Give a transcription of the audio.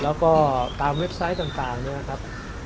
แล้วก็ตามเว็บไซต์ต่างเนี่ยครับ